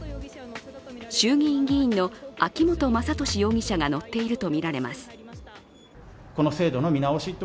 衆議院議員の秋本真利容疑者が乗っているとみられます。